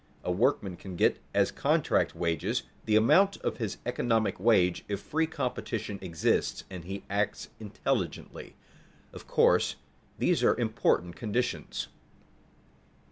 A workman can get as contract wages the amount of his economic wage if free competition exists and he acts intelligently. Of course, these are important conditions.